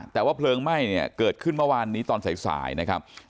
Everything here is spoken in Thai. แต่ว่าเพลิงไหม้เนี่ยเกิดขึ้นเมื่อวานนี้ตอนสายนะครับ